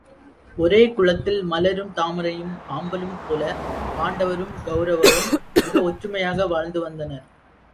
ஒரே குளத்தில் மலரும் தாமரையும் ஆம்பலும் போலப் பாண்ட வரும் கவுரவரும் மிக ஒற்றுமையாக வாழ்ந்து வந்தனர்.